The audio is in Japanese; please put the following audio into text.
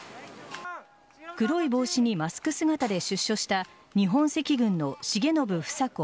黒い帽子にマスク姿で出所した日本赤軍の重信房子